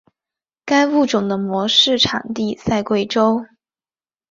该物种的模式产地在贵州。